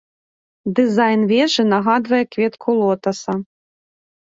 Дызайн вежы нагадвае кветку лотаса.